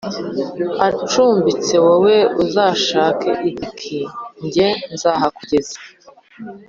acumbitse wowe uzashake itiki jye nzahakugeza”